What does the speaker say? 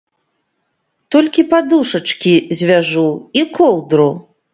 Толькі падушачкі звяжу і коўдру.